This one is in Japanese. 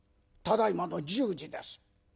ただいまの１０時です。